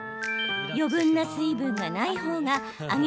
余分な水分がない方が揚げ